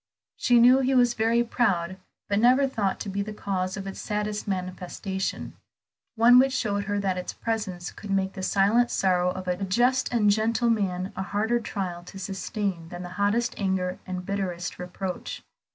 She knew he was very proud, but never thought to be the cause of its saddest manifestation; one which showed her that its presence could make the silent sorrow of a just and gentle man a harder trial to sustain than the hottest anger, the bitterest reproach.